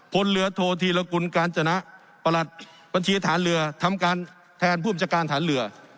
บนเรือโทษทีละกุลการจนะประหลัดบัญชีฐานเรือทำการแทนผู้อำจักรภัณฑ์ฐานเรือ